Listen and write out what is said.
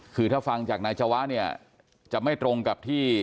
คือถ้าฟังจากนายจวะเนี่ยจะไม่ตรงกับที่